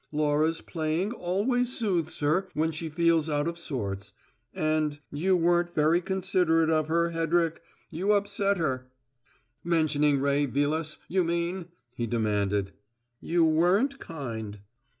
Laura's playing always soothes her when she feels out of sorts and you weren't very considerate of her, Hedrick. You upset her." "Mentioning Ray Vilas, you mean?" he demanded. "You weren't kind."